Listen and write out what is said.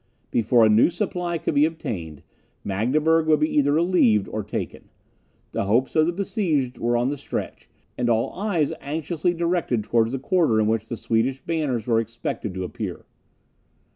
Before a new supply could be obtained, Magdeburg would be either relieved, or taken. The hopes of the besieged were on the stretch, and all eyes anxiously directed towards the quarter in which the Swedish banners were expected to appear.